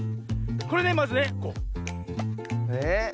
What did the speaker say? これねまずね。え？